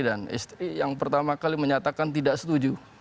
dan istri yang pertama kali menyatakan tidak setuju